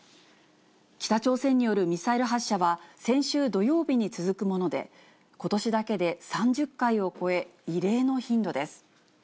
北朝鮮によるミサイル発射は先週土曜日に続くもので、ことしだけで３０回を超え、異例の頻度です。